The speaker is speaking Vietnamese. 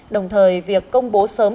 đồng thời việc công bố sớm